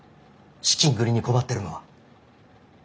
資金繰りに困ってるのは。